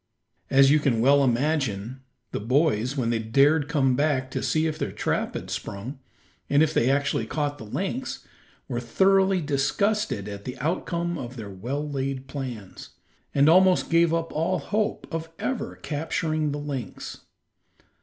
As you can well imagine, the boys, when they dared come back to see if their trap had been sprung, and if they had actually caught a lynx, were thoroughly disgusted at the outcome of their well laid plans, and almost gave up all hope of ever capturing the lynx.